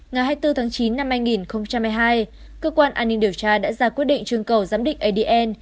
ngày hai mươi bốn tháng chín năm hai nghìn hai mươi hai cơ quan an ninh điều tra đã ra quyết định trưng cầu giám định adn